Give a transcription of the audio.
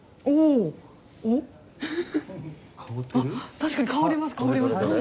確かに香ります香ります。